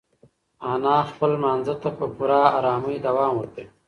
انا خپل لمانځه ته په پوره ارامۍ دوام ورکوي.